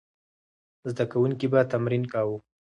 زده کوونکي به تمرین کاوه.